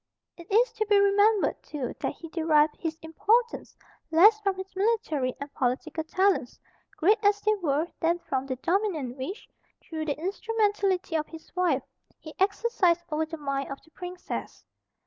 It is to be remembered too that he derived his importance less from his military and political talents, great as they were, than from the dominion which, through the instrumentality of his wife, he exercised over the mind of the Princess.